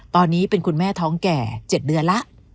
ตอนนี้เป็นคุณแม่ท้องแก่๗เดือนแล้ว